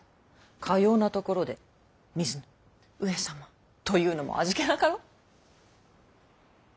かようなところで水野上様というのも味気なかろう。